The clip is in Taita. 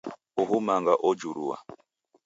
Uhu manga ojurua